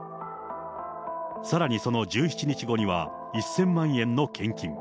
さらにその１７日後には１０００万円の献金。